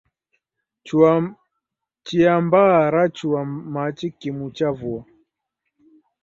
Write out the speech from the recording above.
Chia mbaa rachua machi kimu cha vua.